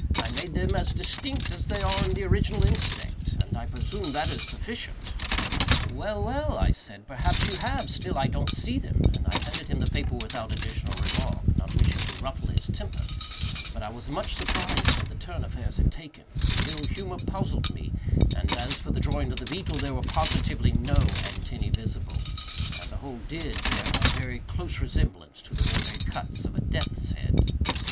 I made them as distinct as they are in the original insect, and I presume that is sufficient." "Well, well," I said, "perhaps you have—still I don't see them;" and I handed him the paper without additional remark, not wishing to ruffle his temper; but I was much surprised at the turn affairs had taken; his ill humor puzzled me—and, as for the drawing of the beetle, there were positively no antennæ visible, and the whole did bear a very close resemblance to the ordinary cuts of a death's head.